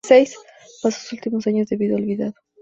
Pasó sus últimos años de vida olvidado.